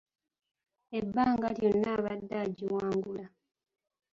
Ebbanga lyonna abadde agiwangula.